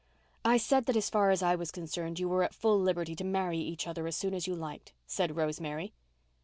"I said that as far as I was concerned you were at full liberty to marry each other as soon as you liked," said Rosemary.